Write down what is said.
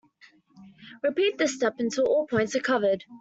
Repeat this step until all points are covered.